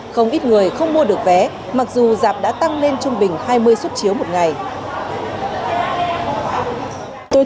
không ít người không mua được vé mặc dù giạp đã tăng lên trung bình hai mươi xuất chiếu một ngày